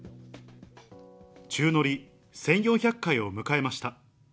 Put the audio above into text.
宙乗り１４００回を迎えました。